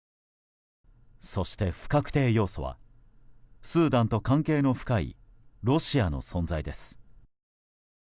そして不確定要素はスーダンと関係の深いロシアの存在です。